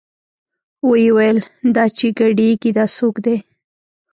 ويې ويل دا چې ګډېګي دا سوک دې.